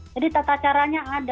jadi tata caranya ada